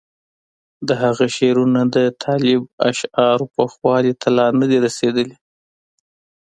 د هغه شعرونه د طالب اشعارو پوخوالي ته لا نه دي رسېدلي.